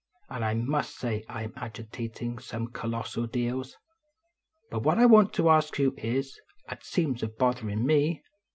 An I mus say I m agitatin some colossal deals ; But what I want to ask you is, at seems a botherin me.